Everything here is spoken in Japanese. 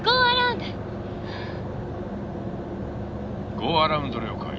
ゴーアラウンド了解。